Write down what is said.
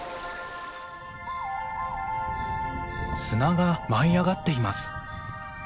砂が舞い上がっています。